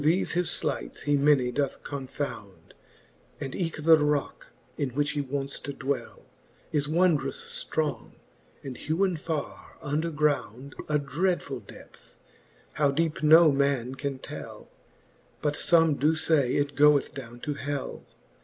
Through thefe his flights he many doth confound, And eke the rocke, in which he wonts to dwell, Is wondrous fl:rong, and hewen farre under ground A dreadfull depth, how deepe no man can tell j But fbme doe fay, it goeth downe to hell.